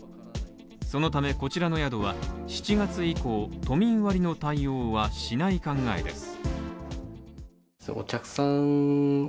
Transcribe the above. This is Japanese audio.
そのため、こちらの宿は７月以降、都民割の対応はしない考えです。